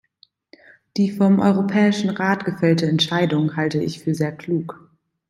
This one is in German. Die vom Europäischen Rat gefällte Entscheidung halte ich für sehr klug.